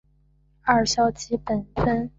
二硝基苯酚